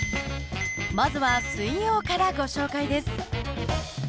まずは水曜からご紹介です。